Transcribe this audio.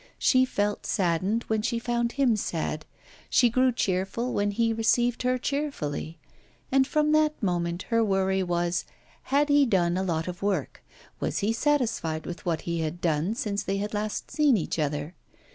She felt saddened when she found him sad, she grew cheerful when he received her cheerfully; and from that moment her worry was had he done a lot of work? was he satisfied with what he had done since they had last seen each other?